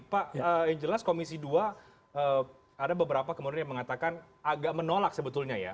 pak yang jelas komisi dua ada beberapa kemudian yang mengatakan agak menolak sebetulnya ya